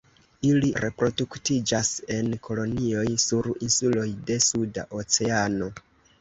Ili reproduktiĝas en kolonioj sur insuloj de Suda Oceano.